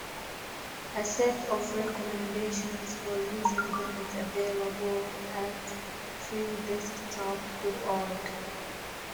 A set of recommendations for using them is available at freedesktop.org.